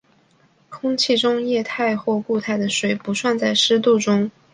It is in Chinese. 空气中液态或固态的水不算在湿度中。